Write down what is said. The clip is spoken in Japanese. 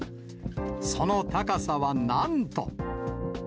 その高さはなんと。